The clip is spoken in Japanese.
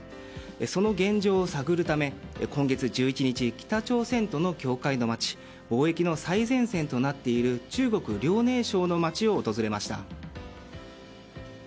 その現状を探るため、今月１１日北朝鮮との境界の街貿易の最前線となっている中国・遼寧省の街を訪れました。